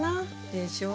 でしょう？